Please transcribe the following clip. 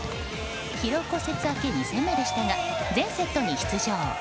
疲労骨折明け２戦目でしたが全セットに出場。